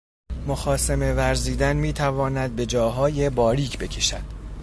مخاصمه ورزیدن میتواند به جاهای باریک بکشد